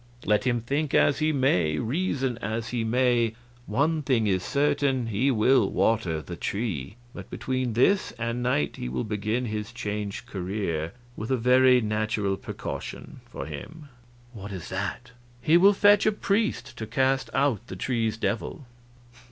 Let him think as he may, reason as he may, one thing is certain, he will water the tree. But between this and night he will begin his changed career with a very natural precaution for him." "What is that?" "He will fetch a priest to cast out the tree's devil.